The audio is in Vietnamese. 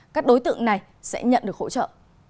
các đối tượng này sẽ nhận được hỗ trợ